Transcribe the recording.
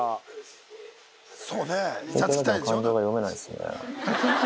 池崎の感情が読めないですね。